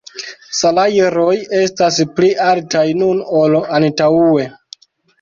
Salajroj estas pli altaj nun ol antaŭe.